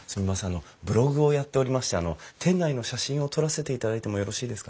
あのブログをやっておりまして店内の写真を撮らせていただいてもよろしいですかね？